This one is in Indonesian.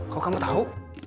kok kamu tahu